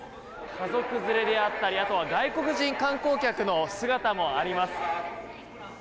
家族連れであったりあとは外国人観光客の姿もあります。